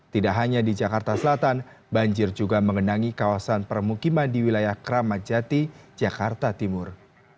tidak hanya di jakarta selatan banjir juga mengenangi kawasan permukiman di wilayah kramat jati jakarta timur